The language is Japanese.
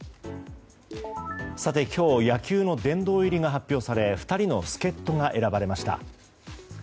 今日野球の殿堂入りが発表され２人の助っ人が選ばれました。